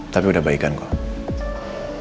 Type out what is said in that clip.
tapi udah baikan kok